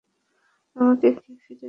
আমাকে কি ফিরে যেতে দিবে?